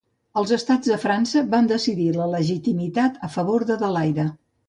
Els Estats de França van decidir la legitimitat a favor d'Adelaida.